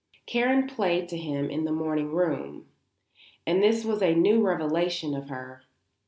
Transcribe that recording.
Karen played to him in the morning room; and this was a new revelation of her.